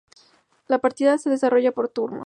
La partida se desarrolla por turnos.